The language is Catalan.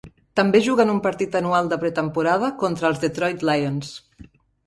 També juguen un partit anual de pretemporada contra els Detroit Lions.